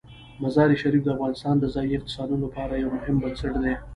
مزارشریف د افغانستان د ځایي اقتصادونو لپاره یو مهم بنسټ دی.